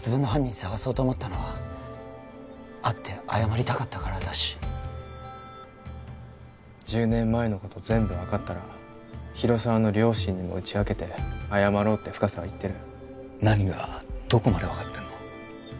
探そうと思ったのは会って謝りたかったからだし１０年前のこと全部分かったら広沢の両親にも打ち明けて謝ろうって深瀬は言ってる何がどこまで分かってんの？